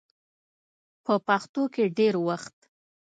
په پښتو کې ډېر وخت